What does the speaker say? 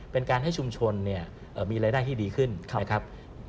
เป็นการให้ชุมชนเนี่ยมีรายได้ที่ดีขึ้นนะครับ